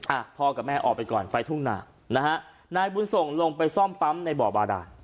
อ่ะพ่อกับแม่ออกไปก่อนไปทุ่งหนานะฮะนายบุญส่งลงไปซ่อมปั๊มในบ่อบาดาน